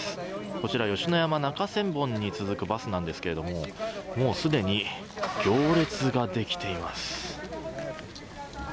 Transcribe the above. こちら、吉野山中千本に続くバスなんですけれどももうすでに行列ができています。